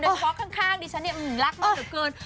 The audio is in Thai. เดี๋ยวพอข้างดิฉันเนี่ยหื้มรักมากเกิน